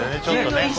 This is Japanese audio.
ちょっとね